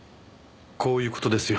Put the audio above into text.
こういう事ですよ。